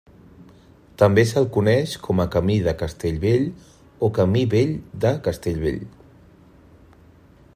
També se'l coneix com a Camí de Castellvell o Camí vell de Castellvell.